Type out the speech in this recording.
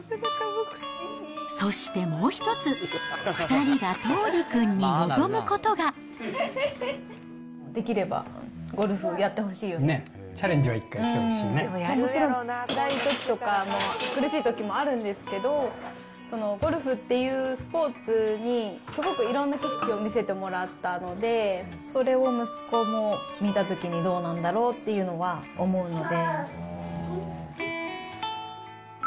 そしてもう１つ、できればゴルフをやってほしチャレンジは一回してほしいつらいときとか、苦しいときもあるんですけど、ゴルフっていうスポーツにすごくいろんな景色を見せてもらったので、それを息子も見たときにどうなんだろうっていうのは思うので。